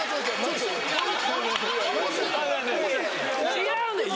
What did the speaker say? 違うねん！